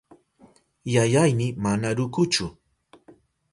Yayayni mana rukuchu.